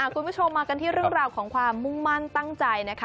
คุณผู้ชมมากันที่เรื่องราวของความมุ่งมั่นตั้งใจนะคะ